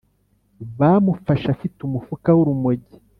Bamufashe afite umufuka w’urumogi.